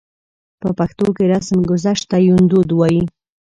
په پښتو کې رسمګذشت ته يوندود وايي.